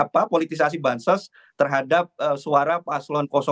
apa politisasi bansos terhadap suara paslon dua